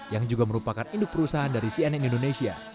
yang juga merupakan induk perusahaan dari cnn indonesia